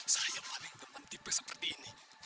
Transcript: saya paling teman tipe seperti ini